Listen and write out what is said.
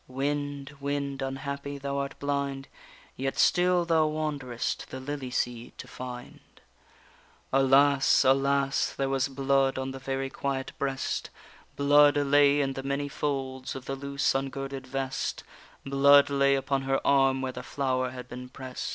Wind, wind, unhappy! thou art blind, Yet still thou wanderest the lily seed to find._ Alas! alas! there was blood on the very quiet breast, Blood lay in the many folds of the loose ungirded vest, Blood lay upon her arm where the flower had been prest.